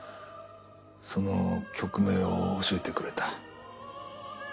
その曲名を教えてくれた。